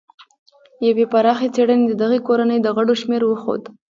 یوې پراخې څېړنې د دغې کورنۍ د غړو شمېر وښود.